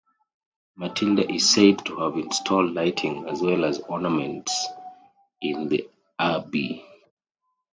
Matilda is said to have installed lighting as well as ornaments in the abbey.